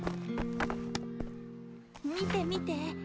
見て見て。